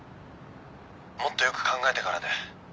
もっとよく考えてからで。